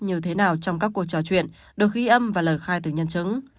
như thế nào trong các cuộc trò chuyện được ghi âm và lời khai từ nhân chứng